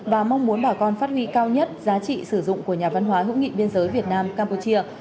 và mong muốn bà con phát huy cao nhất giá trị sử dụng của nhà văn hóa hữu nghị biên giới việt nam campuchia